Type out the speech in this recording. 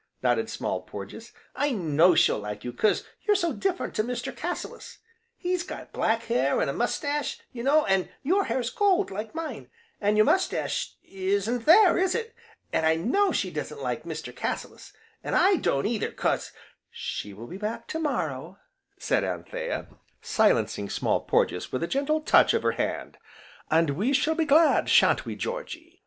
nodded Small Porges, "I know she'll like you 'cause you're so different to Mr. Cassilis, he's got black hair, an' a mestache, you know, an' your hair's gold, like mine, an' your mestache isn't there, is it? An' I know she doesn't like Mr. Cassilis, an' I don't, either, 'cause " "She will be back to morrow," said Anthea, silencing Small Porges with a gentle touch of her hand, "and we shall be glad, sha'n't we, Georgy?